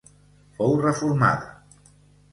Fou reformada.